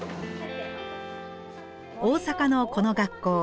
大阪のこの学校。